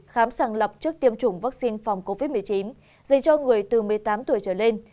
khám sàng lọc trước tiêm chủng vaccine phòng covid một mươi chín dành cho người từ một mươi tám tuổi trở lên